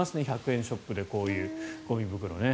１００円ショップでこういうゴミ袋ね。